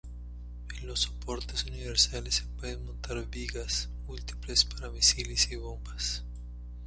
En los soportes universales se pueden montar vigas múltiples para misiles y bombas.